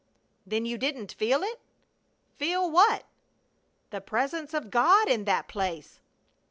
"Then you didn't feel it?" "Feel what?" "The Presence of God in that place!"